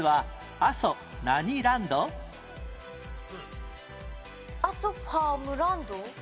阿蘇ファームランド？